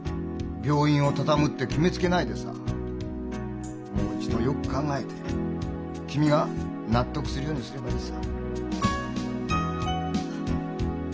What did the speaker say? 病院を畳む」って決めつけないでさもう一度よく考えて君が納得するようにすればいいさ。